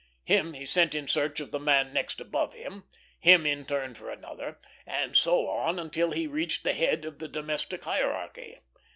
Him he sent in search of the man next above him, him in turn for another, and so on until he reached the head of the domestic hierarchy.